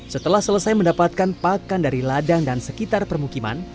setelah selesai mendapatkan pakan dari ladang dan sekitar permukiman